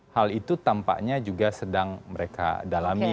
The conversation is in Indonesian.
hal itu tampaknya juga sedang mereka dalami